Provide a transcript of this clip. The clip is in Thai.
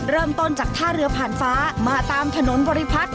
เริ่มต้นจากท่าเรือผ่านฟ้ามาตามถนนบริพัฒน์